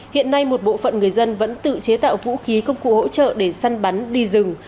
hiện nay một bộ phận người dân vẫn tự chế tạo vũ khí công cụ hỗ trợ để săn bắn đi rừng